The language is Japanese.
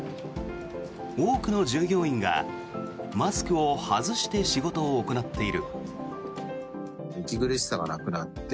多くの従業員がマスクを外して仕事を行っている。